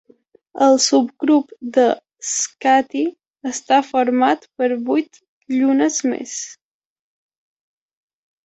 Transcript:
El subgrup de Skathi està format per vuit llunes més.